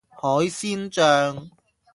海鮮醬